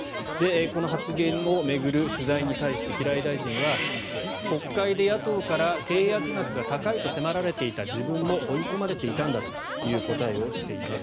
この発言を巡る取材に対して平井大臣は国会で野党から契約額が高いと迫られていた自分も追い込まれていたんだという答えをしています。